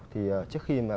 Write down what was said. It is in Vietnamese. thì trước khi mà